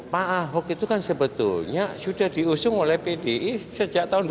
pak ahok itu kan sebetulnya sudah diusung oleh pdi sejak tahun dua ribu empat